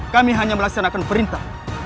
kami hanya melaksanakan perintah